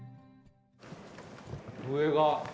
上が。